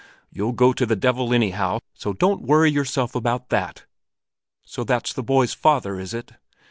You'll go to the devil anyhow, so don't worry yourself about that! So that's the boy's father, is it?"